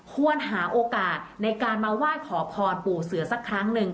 ควรหาโอกาสในการมาไหว้ขอพรปู่เสือสักครั้งหนึ่ง